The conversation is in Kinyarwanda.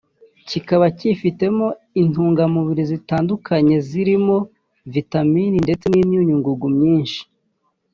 kikaba kifitemo intungamubiri zitandukanyezirimo vitamine ndetse n’imyunyungugu myinshi